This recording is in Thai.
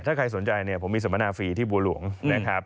ถ้าใครสนใจเนี่ยผมมีสมนาฟรีที่บัวหลวงนะครับ